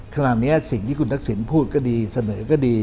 ขณะนี้สิ่งที่คุณทักษิณพูดก็ดีเสนอก็ดี